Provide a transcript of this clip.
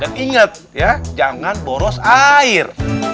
dan inget ya jangan boros air